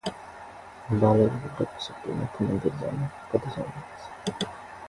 बालाजु बाट पशुपतिनाथ मन्दिर जान कति समय लाग्छ?